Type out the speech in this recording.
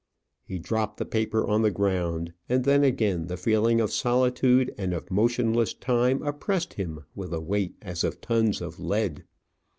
He dropped the paper on the ground, and then again the feeling of solitude and of motionless time oppressed him with a weight as of tons of lead.